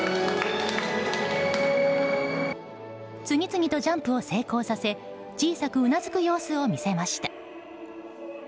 次々とジャンプを成功させ小さくうなずく様子を見せました。